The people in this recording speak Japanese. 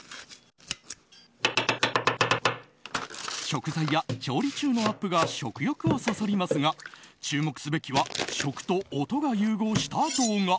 食材や調理中のアップが食欲をそそりますが注目すべきは食と音が融合した動画。